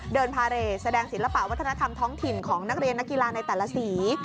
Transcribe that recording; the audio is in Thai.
เดินพาเรทแสดงศิลปะวัฒนธรรมท้องถิ่นของนักเรียนนักกีฬาในแต่ละสี